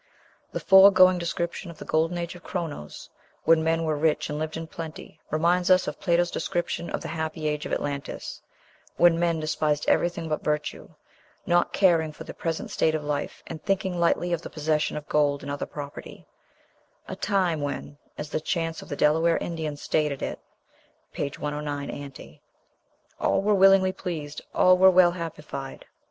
The foregoing description of the Golden Age of Chronos, when "men were rich and lived in plenty," reminds us of Plato's description of the happy age of Atlantis, when "men despised everything but virtue, not caring for their present state of life, and thinking lightly of the possession of gold and other property;" a time when, as the chants of the Delaware Indians stated it (page 109, ante), "all were willingly pleased, all were well happified."